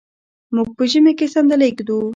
موږ په ژمي کې صندلی ږدو.